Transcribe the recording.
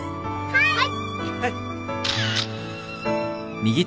はい。